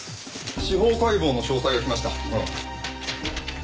司法解剖の詳細が来ました。